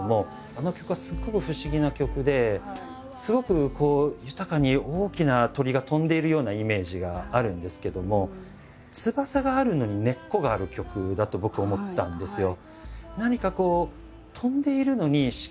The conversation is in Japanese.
あの曲はすっごく不思議な曲ですごく豊かに大きな鳥が飛んでいるようなイメージがあるんですけどもだと僕は思ったんですよ。